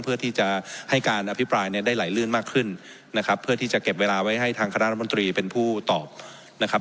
เพื่อที่จะให้การอภิปรายเนี่ยได้ไหลลื่นมากขึ้นนะครับเพื่อที่จะเก็บเวลาไว้ให้ทางคณะรัฐมนตรีเป็นผู้ตอบนะครับ